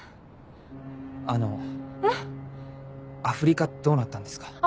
アフリカどうなったんですか？